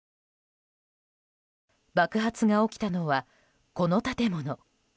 爆発が起きたのは、この建物。